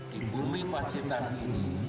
di bumi pacitan ini